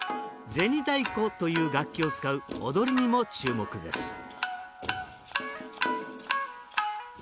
銭太鼓という楽器を使う踊りにも注目です